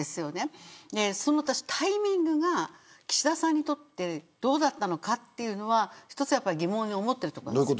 そのタイミングが岸田さんにとってどうだったのかというのは一つ疑問に思っています。